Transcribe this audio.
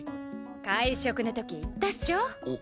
会食の時言ったっしょ？